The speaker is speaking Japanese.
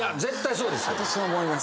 そうですよ